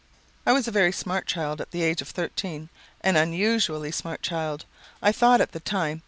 "I was a very smart child at the age of 13 an unusually smart child, I thought at the time.